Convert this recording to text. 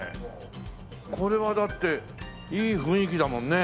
これはだっていい雰囲気だもんね。